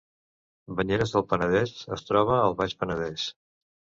Banyeres del Penedès es troba al Baix Penedès